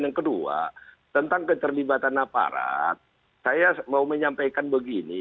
yang kedua tentang keterlibatan aparat saya mau menyampaikan begini